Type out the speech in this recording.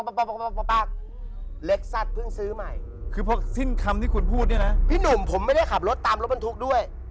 เล็กด้านแข่งชัดเพิ่งซื้อใหม่คือพวกสิ้นคำที่พูดนี่นะพี่หนุ่มผมไม่ได้ขับรถตามรถบันทุกข์ด้วย